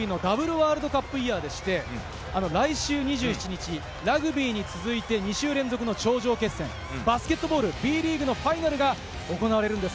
ワールドカップイヤーでして、来週２７日、ラグビーに続いて２週連続の頂上決戦、バスケットボールＢリーグのファイナルが行われるんです。